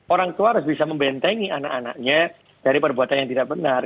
orang tua harus bisa membentengi anak anaknya dari perbuatan yang tidak benar